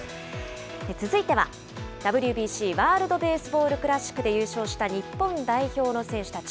続いては、ＷＢＣ・ワールドベースボールクラシックで優勝した日本代表の選手たち。